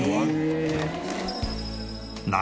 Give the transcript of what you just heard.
「何？